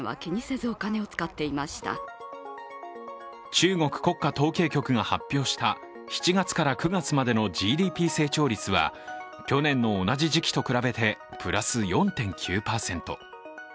中国国家統計局が発表した７月から９月までのＧＤＰ成長率は、去年の同じ時期と比べてプラス４．９％。